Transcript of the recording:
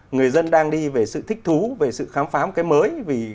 người dân đang đi về sự thích thú về sự khám phá một cái mới